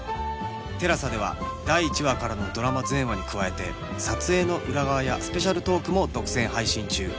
ＴＥＬＡＳＡ では第１話からのドラマ全話に加えて撮影の裏側やスペシャルトークも独占配信中